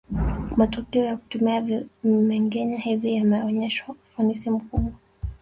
Matokeo ya kutumia vimengenywa hivi yameonyesha ufanisi mkubwa